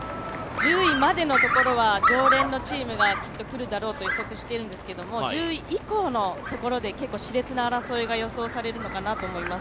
１０位までのところは常連のチームが来るだろうと予測しているんですが、１０位以降のところで結構し烈な争いが予想されると思います。